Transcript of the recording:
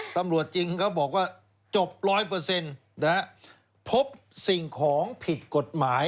ตำรวจจริงเขาบอกว่าจบ๑๐๐และพบสิ่งของผิดกฎหมาย